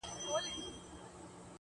هغه و تورو غرونو ته رويا وايي